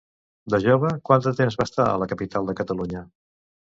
De jove, quant de temps va estar a la capital de Catalunya?